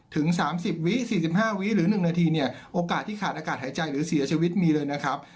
ถึงสามสิบวิสี่สิบห้าวิหรือหนึ่งนาทีเนี่ยโอกาสที่ขาดอากาศหายใจหรือเสียชีวิตมีเลยนะครับ